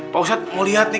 bau saya mau lihat nih